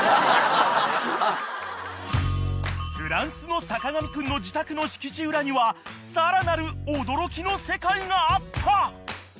［フランスの坂上くんの自宅の敷地裏にはさらなる驚きの世界があった］